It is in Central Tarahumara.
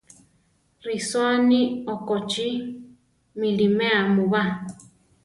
Risóa aní okochí! miʼlimea mu ba!